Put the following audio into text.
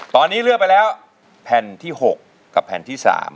ตอนนี้เลือกไปแล้วแผ่นที่๖กับแผ่นที่๓